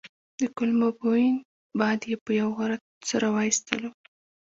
د کولمو بوین باد یې په یوه غرت سره وايستلو.